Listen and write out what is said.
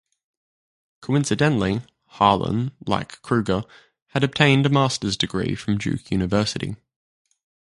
Coincidentally, Harlan like Krueger had obtained a master's degree from Duke University.